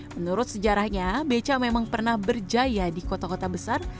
menurut sejarahnya beca memang pernah berjaya di kota kota besar